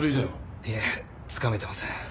いえつかめてません。